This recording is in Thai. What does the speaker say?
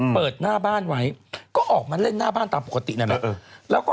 เปิดหน้าบ้านไว้ก็ออกมาเล่นหน้าบ้านตามปกตินั่นแหละ